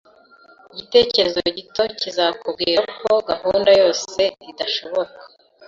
Igitekerezo gito kizakubwira ko gahunda yose idashoboka